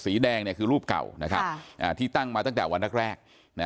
สีแดงคือรูปเก่าที่ตั้งมาตั้งแต่วันแรก